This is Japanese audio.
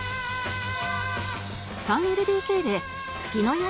３ＬＤＫ で月の家賃は